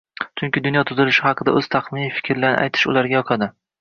chunki dunyo tuzilishi haqida o‘z taxminiy fikrlarini aytish ularga yoqadi.